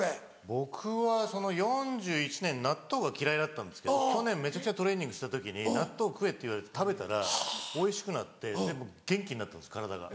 僕は４１年納豆が嫌いだったんですけど去年めちゃくちゃトレーニングした時に納豆食えって言われて食べたらおいしくなって元気になったんです体が。